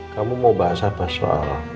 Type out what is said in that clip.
kamu mau bahas apa soal